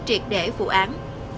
triệt để vụ án